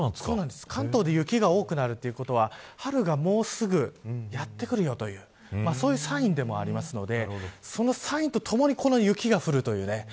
関東で雪が多くなるということは春がもうすぐやってくるというそういうサインでもありますのでそのサインとともにこの雪が降るという。